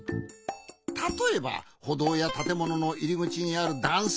たとえばほどうやたてもののいりぐちにあるだんさ。